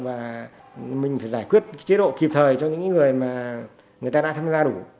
và mình phải giải quyết chế độ kịp thời cho những người mà người ta đã tham gia đủ